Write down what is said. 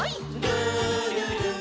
「るるる」